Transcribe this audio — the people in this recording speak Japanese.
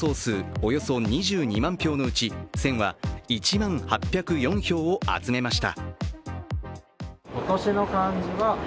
およそ２２万票のうち、「戦」は１万８０４票を集めました。